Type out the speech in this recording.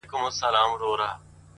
زه چي سهار له خوبه پاڅېږمه ـ